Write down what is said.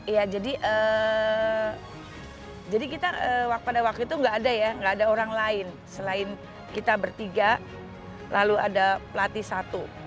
ya jadi kita pada waktu itu nggak ada ya nggak ada orang lain selain kita bertiga lalu ada pelatih satu